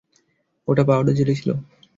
ওটা powder jelly ছিল।